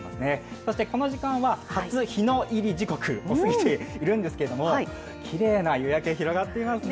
そしてこの時間は、初日の入り時刻を過ぎているんですけれども、きれいな夕焼け、広がっていますね